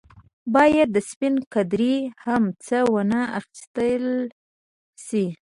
باید د سپڼ قدرې هم څه وانه اخیستل شي.